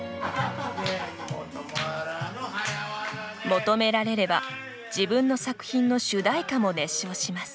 求められれば自分の作品の主題歌も熱唱します。